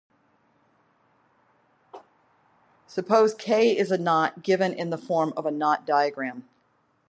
Suppose "K" is a knot given in the form of a knot diagram.